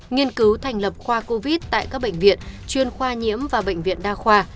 nghiên cứu thành lập khoa covid tại các bệnh viện chuyên khoa nhiễm và bệnh viện đa khoa